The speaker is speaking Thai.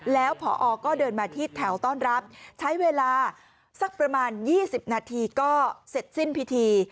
แล้วพอก็เดินมาที่แถวต้อนรับใช้เวลาสักประมาณ๒๐นาทีก็เสร็จสิ้นพิธี